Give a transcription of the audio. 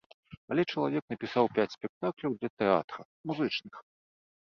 Але чалавек напісаў пяць спектакляў для тэатра, музычных.